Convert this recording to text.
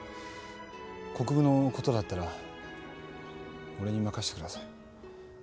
国府のことだったら俺に任せてください。